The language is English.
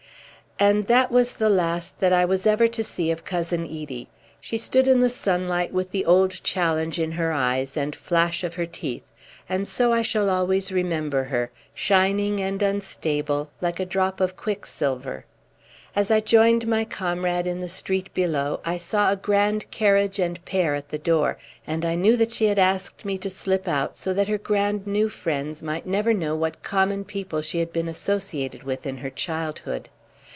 And that was the last that I was ever to see of Cousin Edie. She stood in the sunlight with the old challenge in her eyes, and flash of her teeth; and so I shall always remember her, shining and unstable, like a drop of quicksilver. As I joined my comrade in the street below, I saw a grand carriage and pair at the door, and I knew that she had asked me to slip out so that her grand new friends might never know what common people she had been associated with in her childhood.